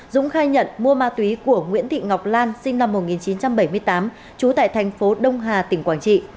dũng khai nhận mua ma túy của nguyễn thị ngọc lan sinh năm một nghìn chín trăm bảy mươi tám trú tại thành phố đông hà tỉnh quảng trị